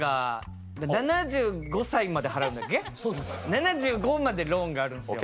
７５歳までローンがあるんですよ。